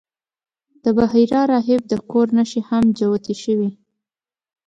د بحیرا راهب د کور نښې هم جوتې شوې.